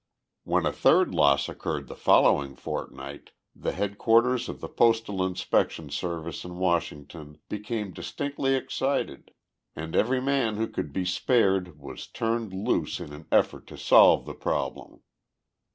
When a third loss occurred the following fortnight, the headquarters of the Postal Inspection Service in Washington became distinctly excited and every man who could be spared was turned loose in an effort to solve the problem.